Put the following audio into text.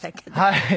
はい。